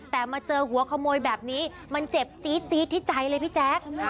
แต่มาเจอหัวขโมยแบบนี้มันเจ็บจี๊ดที่ใจเลยพี่แจ๊ค